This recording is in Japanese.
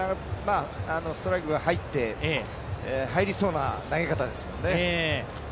ストライクが入って、入りそうな投げ方ですもんね。